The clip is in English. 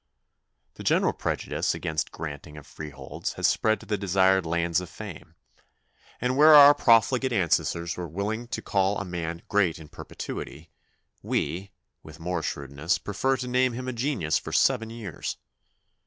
The general prejudice against the granting of free holds has spread to the desired lands of fame ; and where our profligate ancestors were willing to call a man great in perpetuity, we, with more shrewdness, prefer to name him a genius for seven years.